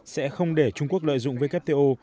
sẽ không để trung quốc lợi dụng wto